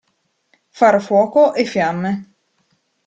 Far fuoco e fiamme.